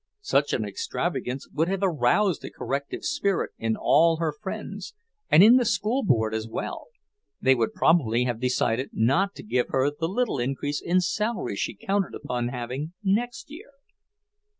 Such an extravagance would have aroused a corrective spirit in all her friends, and in the schoolboard as well; they would probably have decided not to give her the little increase in salary she counted upon having next year.